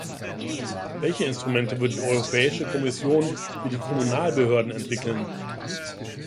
Welche Instrumente wird die Europäische Kommission für die Kommunalbehörden entwickeln?